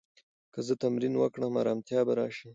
که زه تمرین وکړم، ارامتیا به راشي.